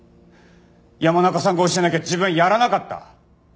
「山中さんが教えなきゃ自分はやらなかった」？